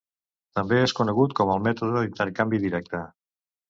També és conegut com el mètode d'intercanvi directe.